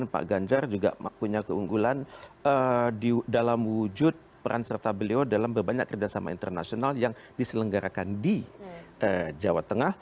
pak ganjar juga punya keunggulan dalam wujud peran serta beliau dalam banyak kerjasama internasional yang diselenggarakan di jawa tengah